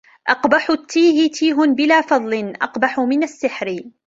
أقبح التيه تيه بلا فضل أقبح من السحر